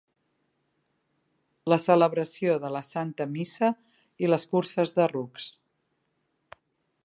La celebració de la Santa Missa i les curses de rucs.